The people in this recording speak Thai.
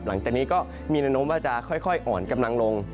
หลังจากนี้ก็มีแนวโน้มว่าจะค่อยอ่อนกำลังลง